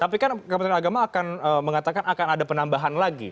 tapi kan kementerian agama akan mengatakan akan ada penambahan lagi